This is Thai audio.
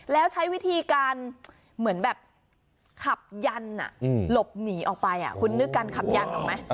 แล้วใช้วิธีการเหมือนแบบขับยันหลบหนีออกไปคุณนึกการขับยันออกไหม